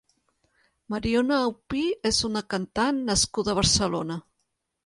Mariona Aupí és una cantant nascuda a Barcelona.